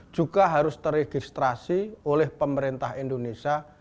juga harus teregistrasi oleh pemerintah indonesia